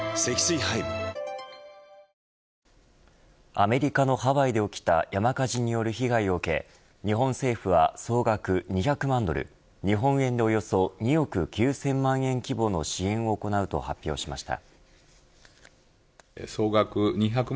アメリカのハワイで起きた山火事による被害を受け日本政府は総額２００万ドル日本円でおよそ２億９０００万円規模の支援を行うと発表しました。